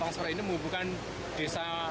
longsor ini membuka desa